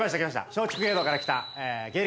松竹芸能から来た芸歴